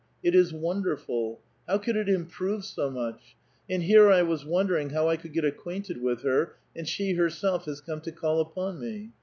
It is wonderful! How could it improve so much? And here I was wondering how I could get acquainted with her, and she herself has come to call upon me.